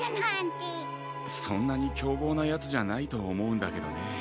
そんなにきょうぼうなヤツじゃないとおもうんだけどね。